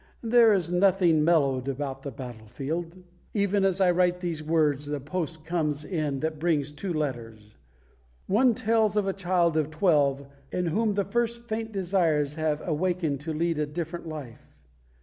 There is nothing mellowed about a battle field. Even as I write these words, the post comes in and brings two letters. One tells of a child of twelve in whom the first faint desires have awakened to lead a different life.